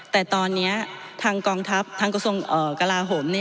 แต่ตอนนี้ทางกองทัพทางกระทรวงกลาโหม